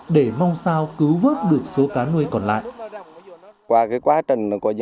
để mong sao cứu vớt được số cá nuôi còn lại